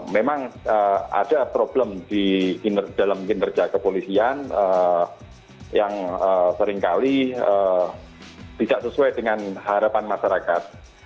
memang ada problem di dalam kinerja kepolisian yang seringkali tidak sesuai dengan harapan masyarakat